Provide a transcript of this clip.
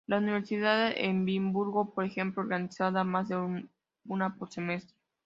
La Universidad de Edimburgo, por ejemplo, organiza más de una por semestre.